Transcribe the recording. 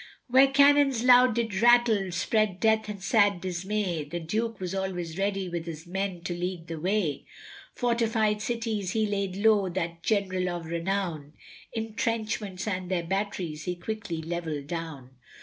Where cannons loud did rattle, spread death and sad dismay, The Duke was always ready with his men to lead the way. Fortified cities he laid low, that general of renown, Intrenchments and their batteries he quickly levelled down.